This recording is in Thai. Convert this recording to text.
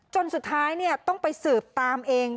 จนสุดท้ายต้องไปสืบตามเอง